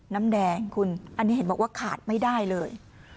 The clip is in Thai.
น้ำแดงคุณอันนี้เห็นบอกว่าขาดไม่ได้เลย